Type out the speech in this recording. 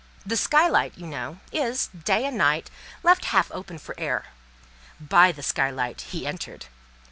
The skylight, you know, is, day and night, left half open for air; by the skylight he entered.